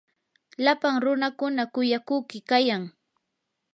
lapan runakuna kuyakuqi kayan.